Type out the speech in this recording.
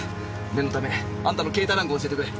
念のためあんたの携帯番号教えてくれ。